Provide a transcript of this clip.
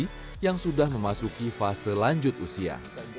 dr ludi yang sudah memasuki fase lanjut usia